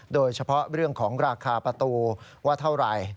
โดยเฉพาะเรื่องของราคาประตูว่าเท่าไหร่